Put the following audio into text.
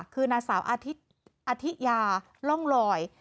คือนางสาวอธิยาล่องลอย